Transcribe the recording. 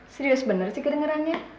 serius bener sih kedengarannya